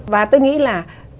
và tôi nghĩ là